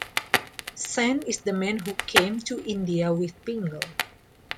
Sen is the man who came to India with Pingle.